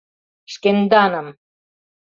— Шкенданым!